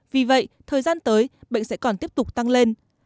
vì vậy thời gian tới bệnh sẽ còn tiếp tục tăng lên